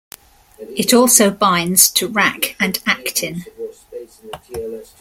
It also binds to Rac and actin.